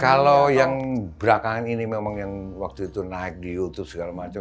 kalau yang belakangan ini memang yang waktu itu naik di youtube segala macam